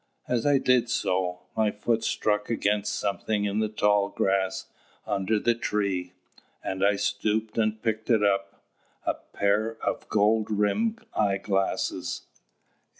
As I did so, my foot struck against something in the tall grass under the tree, and I stooped and picked it up a pair of gold rimmed eyeglasses!